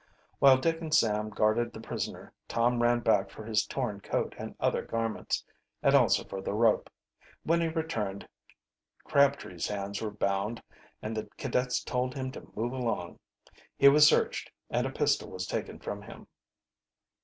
While Dick and Sam guarded the prisoner, Tom ran back for his torn coat and other garments, and also for the rope. When he returned Crabtree's hands were bound and the cadets told him to move along. He was searched, and a pistol was taken from him.